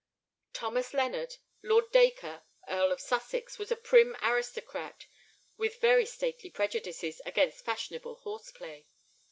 Thomas Lennard, Lord Dacre, Earl of Sussex, was a prim aristocrat with very stately prejudices against fashionable horse play.